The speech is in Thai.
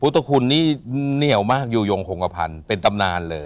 ตคุณนี่เหนียวมากอยู่ยงโครงกระพันธ์เป็นตำนานเลย